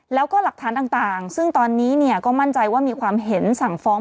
แล้วก็หลักฐานต่างซึ่งตอนนี้เนี่ยก็มั่นใจว่ามีความเห็นสั่งฟ้อง